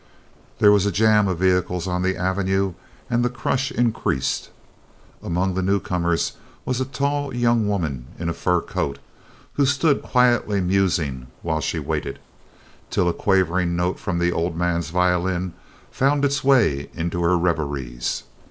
There was a jam of vehicles on the avenue and the crush increased. Among the new comers was a tall young woman in a fur coat, who stood quietly musing while she waited, till a quavering note from the old man's violin found its way into her reveries.